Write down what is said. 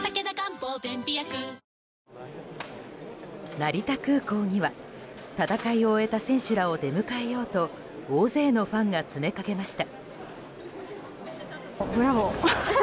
成田空港には戦いを終えた選手らを出迎えようと大勢のファンが詰めかけました。